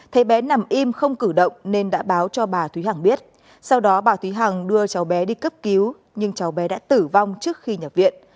thấy bé nằm im không cử động nên đã báo cho bà thúy hằng biết sau đó bà thúy hằng đưa cháu bé đi cấp cứu nhưng cháu bé đã tử vong trước khi nhập viện